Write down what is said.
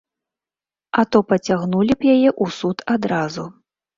А то пацягнулі б яе ў суд адразу.